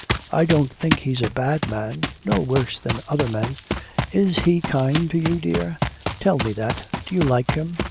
I don't think he's a bad man no worse than other men. Is he kind to you, dear; tell me that; do you like him?'